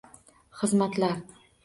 Xizmatlar